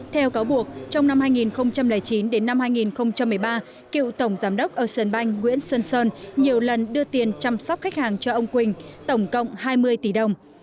theo cáo buộc trong năm hai nghìn chín đến năm hai nghìn một mươi ba cựu tổng giám đốc ocean bank nguyễn xuân sơn nhiều lần đưa tiền chăm sóc khách hàng cho ông quỳnh tổng cộng hai mươi tỷ đồng